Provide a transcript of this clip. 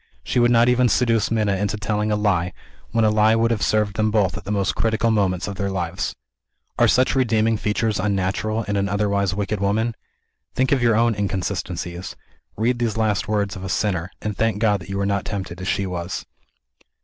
She would not even seduce Minna into telling a lie, when a lie would have served them both at the most critical moment of their lives. Are such redeeming features unnatural in an otherwise wicked woman? Think of your own "inconsistencies." Read these last words of a sinner and thank God that you were not tempted as she was